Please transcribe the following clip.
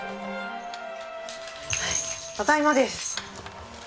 ただいまです。